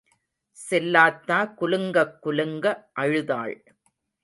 செல்லாத்தா குலுங்கக் குலுங்க அழுதாள்.